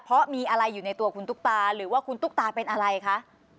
เพราะมีอะไรอยู่ในตัวคุณตุ๊กตาหรือว่าคุณตุ๊กตาเป็นอะไรคะ